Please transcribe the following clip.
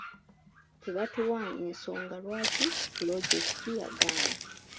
Tebaatuwa nsonga lwaki pulojekiti yagaana.